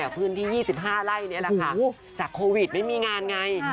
พื้นที่๒๕ไร่จากโควิดไม่มีงานไง